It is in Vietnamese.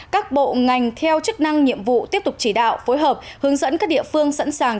các bộ ngành theo chức năng nhiệm vụ tiếp tục chỉ đạo phối hợp hướng dẫn các địa phương sẵn sàng